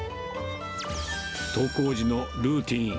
登校時のルーティーン。